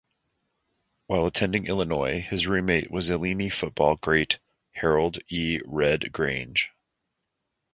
While attending Illinois, his roommate was Illini football great Harold E. "Red" Grange.